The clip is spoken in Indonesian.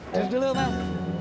duduk dulu bang